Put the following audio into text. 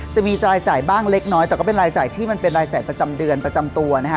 จะมีรายจ่ายบ้างเล็กน้อยแต่ก็เป็นรายจ่ายที่มันเป็นรายจ่ายประจำเดือนประจำตัวนะฮะ